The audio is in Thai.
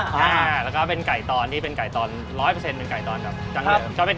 เพราะเป็นไก่ตอน๑๐๐เป็นไก่ตอนจังเรียม